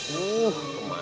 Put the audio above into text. masih mau ke mana